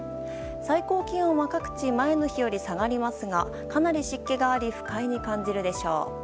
最高気温は各地前の日より下がりますがかなり湿気があり不快に感じるでしょう。